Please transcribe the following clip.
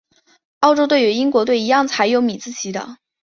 澳洲队与英国队一样是采用米字旗的。